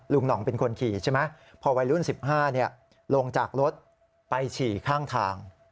หน่องเป็นคนขี่ใช่ไหมพอวัยรุ่น๑๕ลงจากรถไปฉี่ข้างทาง